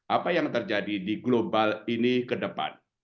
apa yang terjadi di global ini ke depan